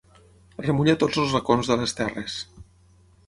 Remulla tots els racons de les terres.